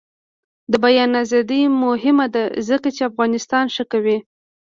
د بیان ازادي مهمه ده ځکه چې افغانستان ښه کوي.